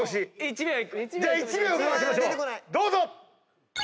どうぞ！